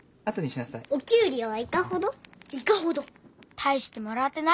大してもらってないだろ。